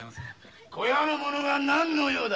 小屋の者が何の用だ？